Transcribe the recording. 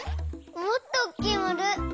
もっとおっきいまる！